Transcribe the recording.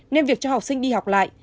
nên việc cho học sinh đi học lại